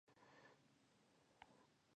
دوی خپل وکیلان د شاه کمپ ته لېږلي ول.